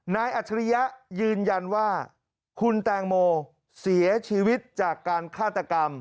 อัจฉริยะยืนยันว่าคุณแตงโมเสียชีวิตจากการฆาตกรรม